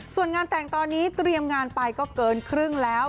ส่วนงานแต่งตอนนี้เตรียมงานไปก็เกินครึ่งแล้ว